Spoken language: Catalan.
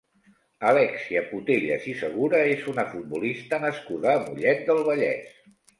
Alèxia Putellas i Segura és una futbolista nascuda a Mollet del Vallès.